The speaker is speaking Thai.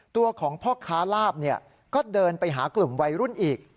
ตัวของพ่อค้าลาบก็เดินไปหากลุ่มวัยรุ่นอีก